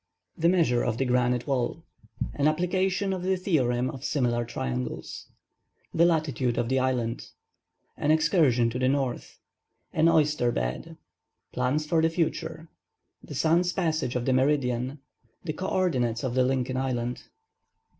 THE MEASURE OF THE GRANITE WALL—AN APPLICATION OF THE THEOREM OF SIMILAR TRIANGLES—THE LATITUDE OF THE ISLAND—AN EXCURSION TO THE NORTH—AN OYSTER BED—PLANS FOR THE FUTURE—THE SUN'S PASSAGE OF THE MERIDIAN—THE CO ORDINATES OF LINCOLN ISLAND.